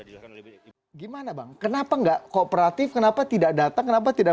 sekarang pemeriksaan bola poano sudah menumbang izin termasuk